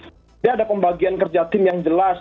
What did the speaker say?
jadi ada pembagian kerja tim yang jelas